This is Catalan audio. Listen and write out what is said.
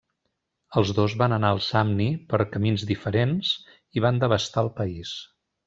Els dos van anar al Samni per camins diferents i van devastar el país.